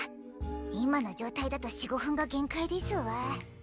今の状態だと４５分が限界ですわ。